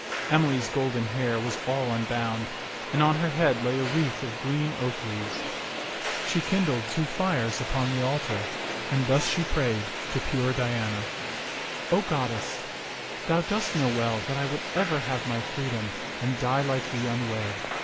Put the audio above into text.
Emily's golden hair was all unbound, and on her head lay a wreath of green oak leaves. She kindled two fires upon the altar, and thus she prayed to pure Diana, O goddess, thou dost know well that I would ever have my free dom and die like thee unwed.